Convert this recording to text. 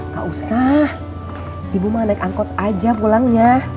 gak usah ibu mah naik angkot aja pulangnya